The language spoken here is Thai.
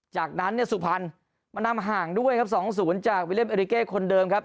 จากนั้นเนี่ยสุพรรณมานำห่างด้วยครับ๒๐จากวิเลียมเอริเก้คนเดิมครับ